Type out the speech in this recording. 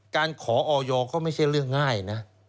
การขอออยก็ไม่ใช่เรื่องง่ายนะ